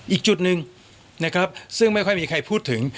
อีกจุดหนึ่งนะครับซึ่งไม่ค่อยมีใครพูดถึง